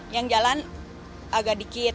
yang jalan agak dikit